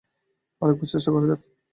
আরেকবার চেষ্টা করা যাক।